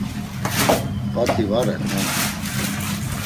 P̌at̆i va ren ha?